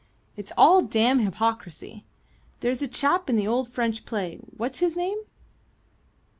It's all damned hypocrisy. There's a chap in the old French play what's his name?"